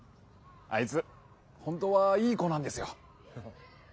あいつ本当はいい子なんですよ。